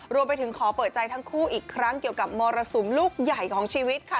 รวมไปถึงขอเปิดใจทั้งคู่อีกครั้งเกี่ยวกับมรสุมลูกใหญ่ของชีวิตค่ะ